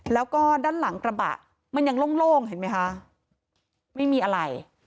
แล้วก็ด้านหลังกระบะมันยังโล่งเห็นไหมคะไม่มีอะไร